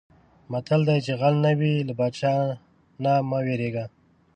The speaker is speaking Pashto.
متل دی: چې غل نه وې له پادشاه نه مه وېرېږه.